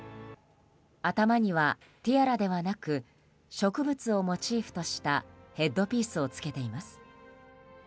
頭にはティアラではなく植物をモチーフとしたヘッドピースをつけています。